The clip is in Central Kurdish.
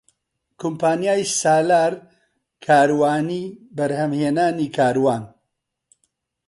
کۆمپانیای سالار کاروانی بەرهەمهێنانی کاروان